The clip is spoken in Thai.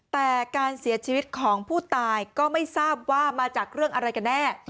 แต่การเสียชีวิตของผู้ตายก็ไม่ทราบว่ามาจากเรื่องอะไรกันแน่